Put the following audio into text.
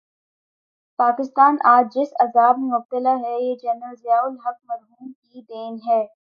پاکستان آج جس عذاب میں مبتلا ہے، یہ جنرل ضیاء الحق مرحوم کی دین ہے۔